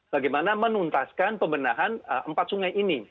bagaimana menuntaskan pembenahan empat sungai ini